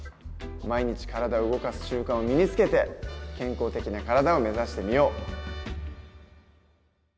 毎日体を動かす習慣を身につけて健康的な体を目指してみよう。